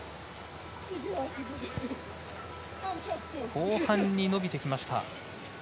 後半に伸びてきました。